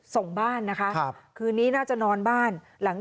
ส่งบ้านนะคะคืนนี้น่าจะนอนบ้านหลัง